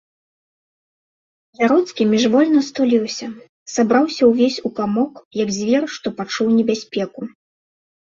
Яроцкі міжвольна стуліўся, сабраўся ўвесь у камок, як звер, што пачуў небяспеку.